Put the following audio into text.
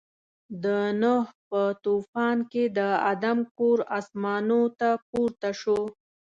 د نوح په طوفان کې د آدم کور اسمانو ته پورته شو.